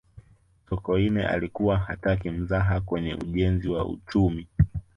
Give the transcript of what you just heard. sokoine alikuwa hataki mzaha kwenye ujenzi wa uchumi